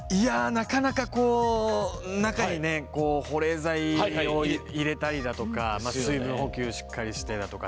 なかなか、中に保冷剤を入れたりとか水分補給しっかりしてとか